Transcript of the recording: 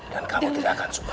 dan kamu tidak akan suka